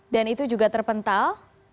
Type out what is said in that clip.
dan itu juga terpental